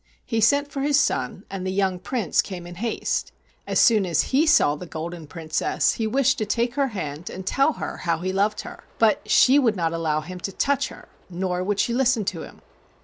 He sent for his son, and the young Prince came in haste. As soon as he saw the Golden Princess he wished to take her hand and tell her how he loved her, but she would not allow him to touch her nor would she listen to him.